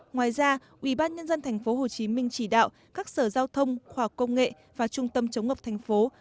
ngoài ra ubnd tp hcm chỉ đạo các sở giao thông khoa học công nghệ và trung tâm chống ngập thành phố